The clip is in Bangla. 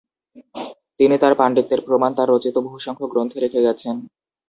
তিনি তার পাণ্ডিত্যের প্রমাণ তার রচিত বহুসংখ্যক গ্রন্থে রেখে গেছেন।